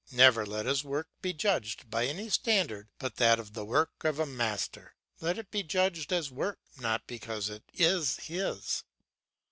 Never let his work be judged by any standard but that of the work of a master. Let it be judged as work, not because it is his.